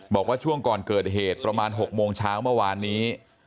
บอกว่าช่วงก่อนเกิดเหตุประมาณ๖โมงเช้าเมื่อวานนี้